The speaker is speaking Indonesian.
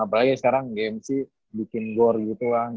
apalagi sekarang gmc bikin gore gitu lah